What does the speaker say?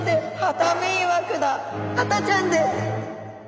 ハタちゃんです。